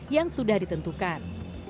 yang sudah ditentukan